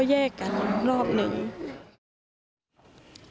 นายพิรายุนั่งอยู่ติดกันแบบนี้นะคะ